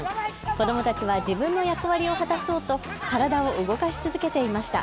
子どもたちは自分の役割を果たそうと体を動かし続けていました。